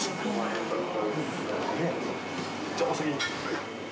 じゃあ、お先に。